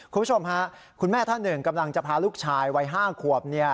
คุณผู้ชมค่ะคุณแม่ท่านหนึ่งกำลังจะพาลูกชายวัย๕ขวบ